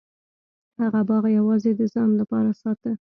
هغه باغ یوازې د ځان لپاره ساته.